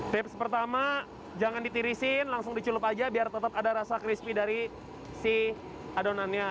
tips pertama jangan ditirisin langsung diculup aja biar tetap ada rasa crispy dari si adonannya